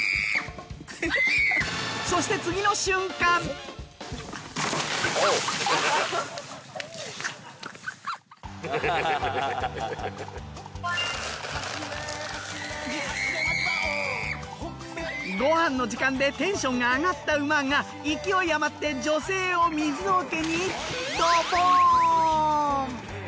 そしてご飯の時間でテンションが上がった馬が勢い余って女性を水桶にドボーン。